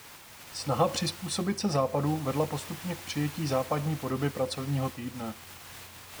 Snaha přizpůsobit se Západu vedla postupně k přijetí západní podoby pracovního týdne.